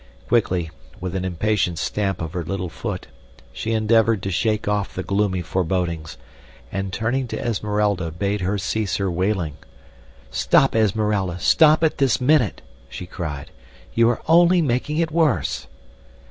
Quickly, with an impatient stamp of her little foot, she endeavored to shake off the gloomy forebodings, and turning to Esmeralda bade her cease her wailing. "Stop, Esmeralda, stop it this minute!" she cried. "You are only making it worse."